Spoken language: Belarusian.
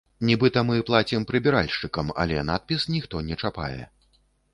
Нібыта мы плацім прыбіральшчыкам, але надпіс ніхто не чапае.